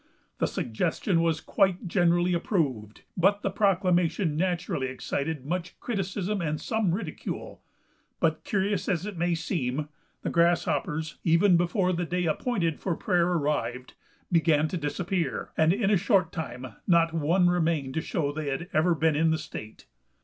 The suggestion was quite generally approved, but the proclamation naturally excited much criticism and some ridicule, but, curious as it may seem, the grasshoppers, even before the day appointed for prayer arrived, began to disappear, and in a short time not one remained to show they had ever been in the state.